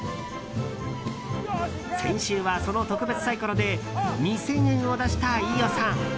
先週は、その特別サイコロで２０００円を出した飯尾さん。